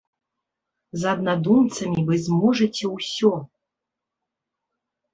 З аднадумцамі вы зможаце ўсё!